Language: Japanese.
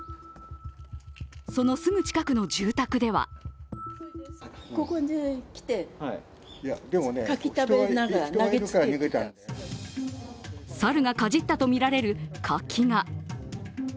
そのすぐ近くの住宅では猿がかじったとみられる柿が。